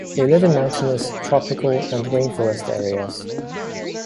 They live in mountainous, tropical, and rainforest areas.